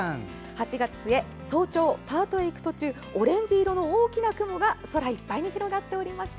８月の末、早朝パートに行く途中オレンジ色の大きな雲が空いっぱいに広がっていました。